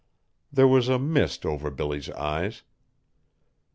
'" There was a mist over Billy's eyes.